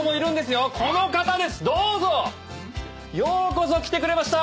ようこそ来てくれました！